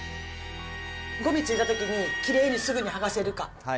ごみついたときにきれいにすぐに剥がせるか。